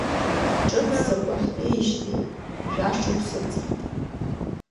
Ҿымҭӡакәа ҳтәеижьҭеи жәа-шықәса ҵит.